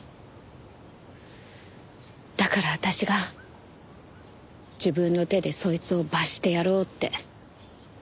だから私が自分の手でそいつを罰してやろうって。